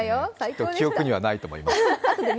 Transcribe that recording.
ちょっと記憶にはないと思います。